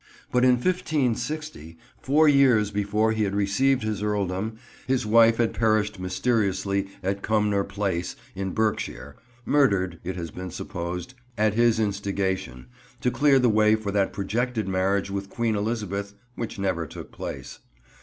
But in 1560, four years before he had received his earldom, his wife had perished mysteriously at Cumnor Place in Berkshire, murdered, it has been supposed, at his instigation, to clear the way for that projected marriage with Queen Elizabeth which never took place.